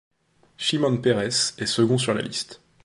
Shimon Peres est second sur la liste.